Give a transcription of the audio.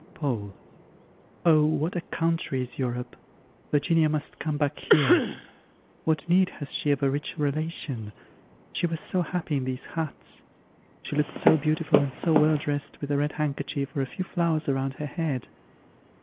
Paul. Oh, what a country is Europe! Virginia must come back here. What need has she of a rich relation? She was so happy in these huts; she looked so beautiful and so well dressed with a red handkerchief or a few flowers around her head!